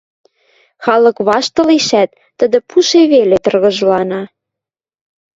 Халык ваштылешӓт, тӹдӹ пуше веле тыргыжлана.